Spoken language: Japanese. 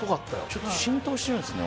ちょっと浸透してるんですね